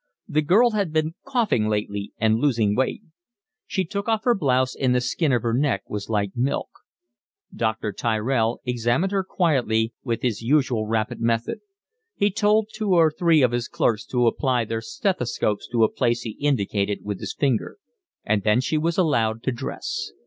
The girl had been coughing lately and losing weight. She took off her blouse and the skin of her neck was like milk. Dr. Tyrell examined her quietly, with his usual rapid method; he told two or three of his clerks to apply their stethoscopes to a place he indicated with his finger; and then she was allowed to dress.